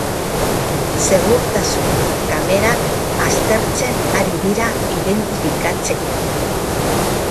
Segurtasun kamerak aztertzen ari dira identifikatzeko.